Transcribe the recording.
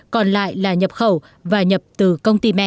còn lại là nhập khẩu và nhập từ công ty mẹ